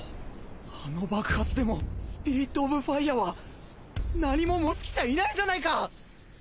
あの爆発でもスピリットオブファイアは何も燃え尽きちゃいないじゃないか！！